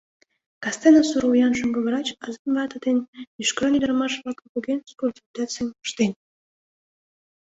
Кастене сур вуян шоҥго врач, азан вате ден мӱшкыран ӱдырамаш-влакым поген, консультацийым ыштен.